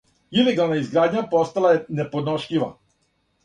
Илегална изградња постала је неподношљива.